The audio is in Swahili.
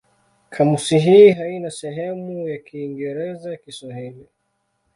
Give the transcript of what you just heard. Kamusi hii haina sehemu ya Kiingereza-Kiswahili.